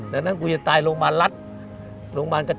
ดังนั้นกูจะตายโรงพยาบาลรัฐ